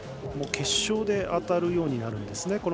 決勝で当たるようになるんですね。